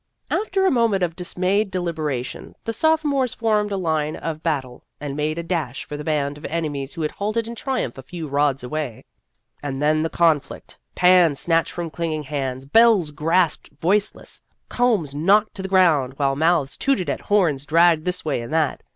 After a moment of dismayed delibera tion, the sophomores formed a line of bat tle, and made a dash for the band of enemies who had halted in triumph a few rods away. And then the conflict pans snatched from clinging hands, bells grasped voiceless, combs knocked to the ground, while mouths tooted at horns dragged this way and that.